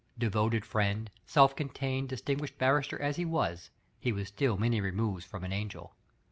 Devoted friend, self contained, distinguished barrister as he was, he was still many removes from an angel.